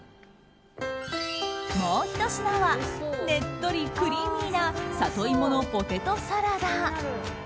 もうひと品はねっとりクリーミーなサトイモのポテトサラダ。